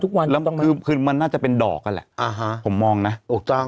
ทุกวันแล้วคือคือมันน่าจะเป็นดอกน่ะแหละอ่าฮะผมมองน่ะถูกต้อง